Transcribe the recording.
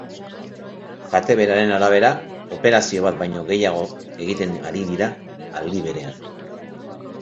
Kate beraren arabera, operazio bat baino gehiago egiten ari dira aldi berean.